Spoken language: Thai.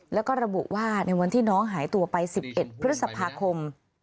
แล้วก็ระบุว่าในวันที่น้องหายตัวไป๑๑พฤษภาคม